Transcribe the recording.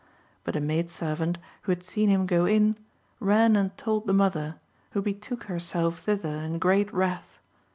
But a maid servant, who had seen him go in, ran and told the mother, who betook herself thither in great wrath.